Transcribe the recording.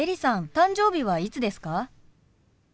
誕生日はいつですか？